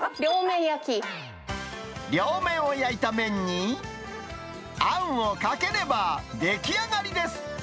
両面を焼いた麺に、あんをかければ出来上がりです。